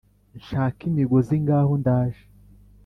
nshake imigozi ngaho ndaje